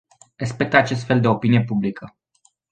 Respect acest fel de opinie publică.